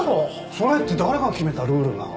それって誰が決めたルールなの？